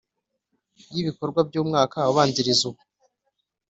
y ibikorwa by umwaka ubanziriza uwo